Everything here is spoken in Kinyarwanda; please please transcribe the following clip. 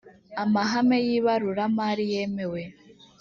amahame y ibaruramari yemewe